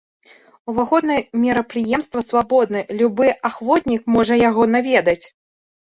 Уваход на мерапрыемства свабодны, любы ахвотнік можа яго наведаць.